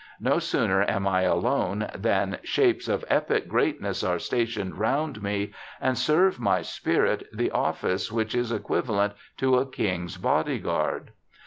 No sooner am I alone than shapes of epic greatness are stationed round me, and serve my spirit the office which is equivalent to a King's body guard.